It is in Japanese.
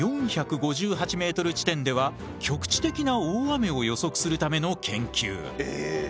４５８ｍ地点では局地的な大雨を予測するための研究。